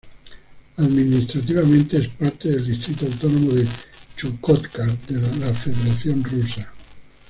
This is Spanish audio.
Administrativamente, es parte del distrito autónomo de Chukotka, de la Federación Rusa.